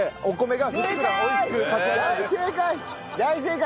大正解！